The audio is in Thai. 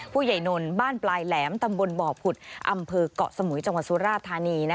นนท์บ้านปลายแหลมตำบลบ่อผุดอำเภอกเกาะสมุยจังหวัดสุราธานี